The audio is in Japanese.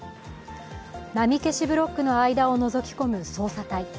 波消しブロックの間をのぞき込む捜査隊。